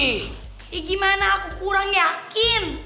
eh gimana aku kurang yakin